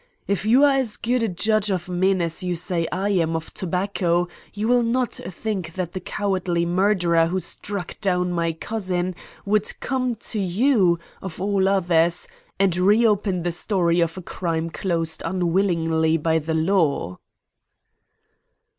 "If you are as good a judge of men as you say I am of tobacco, you will not think that the cowardly murderer who struck down my cousin would come to you, of all others, and reopen the story of a crime closed unwillingly by the law."